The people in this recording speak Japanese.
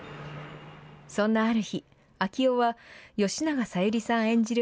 そんなある日、昭夫は吉永小百合さん演じる